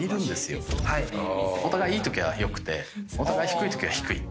お互いいいときは良くてお互い低いときは低いっていう。